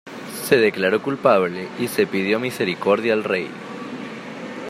Se declaró culpable y se pidió misericordia al rey.